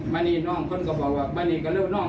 มานี่น้องคนก็บอกว่ามานี่ก็เลิกน้อง